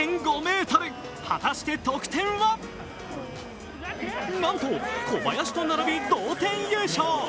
果たして得点はなんと小林と並び同点優勝。